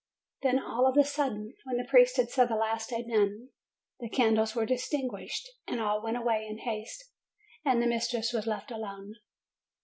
Then, all of a sudden, when the priest had said the last amen, the candles were ex tinguished, and all went away in haste, and the mis tress was left alone.